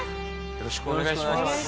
よろしくお願いします。